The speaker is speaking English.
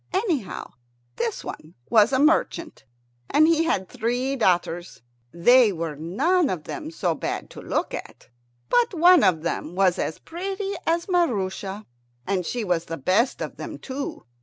Anyhow this one was a merchant, and he had three daughters. They were none of them so bad to look at, but one of them was as pretty as Maroosia. And she was the best of them too.